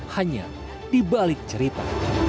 hanya di balik cerita